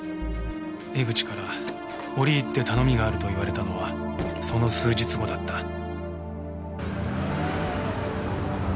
江口から折り入って頼みがあると言われたのはその数日後だった。